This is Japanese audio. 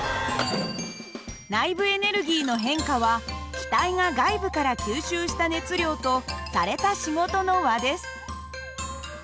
内部エネルギーの変化は気体が外部から吸収した熱量とされた仕事の和です。